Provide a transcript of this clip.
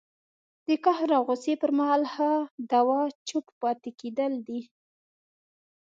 د قهر او غوسې پر مهال ښه دوا چپ پاتې کېدل دي